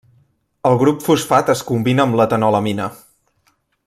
El grup fosfat es combina amb l'etanolamina.